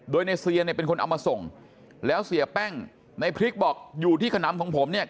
โดยในเซียนเนี่ยเป็นคนเอามาส่งแล้วเสียแป้งในพริกบอกอยู่ที่ขนำของผมเนี่ย